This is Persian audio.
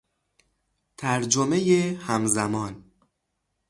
ترجمهی همزمان